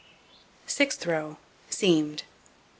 Sixth row: Seamed.